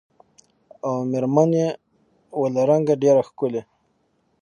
او مېر من یې وه له رنګه ډېره ښکلې